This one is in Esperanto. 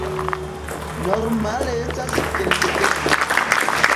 Normale estas kelkdek.